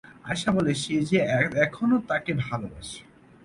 আয়শা বলে যে সে এখনো তাকে ভালোবাসে।